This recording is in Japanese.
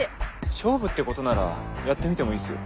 勝負ってことならやってみてもいいっすよ。